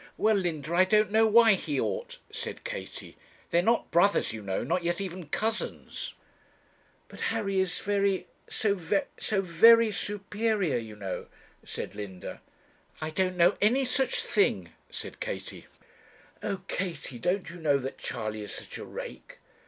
'Well, Linda, I don't know why he ought,' said Katie. 'They are not brothers, you know, nor yet even cousins.' 'But Harry is very so very so very superior, you know,' said Linda. 'I don't know any such thing,' said Katie. 'Oh! Katie, don't you know that Charley is such a rake?'